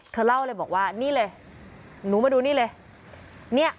เธอเล่าเลยบอกว่านี่เลยหนูมาดูนี่เลย